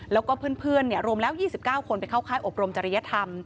แล้วก็เพื่อนรวมแล้ว๒๙คนไปเข้าค่ายอบรมจริยธรรม